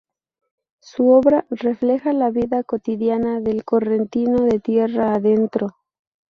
Su obra refleja la vida cotidiana del correntino de tierra adentro.